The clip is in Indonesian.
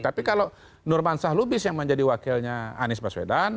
tapi kalau nurmansyah lubis yang menjadi wakilnya anies baswedan